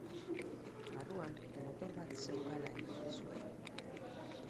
Barruan motor bat zeukala ematen zuen.